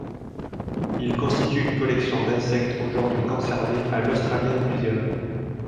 Il constitue une collection d'insectes aujourd’hui conservée à l'Australian Museum.